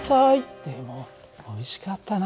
でもおいしかったな。